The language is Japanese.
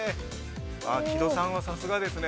木戸さんは、さすがですね。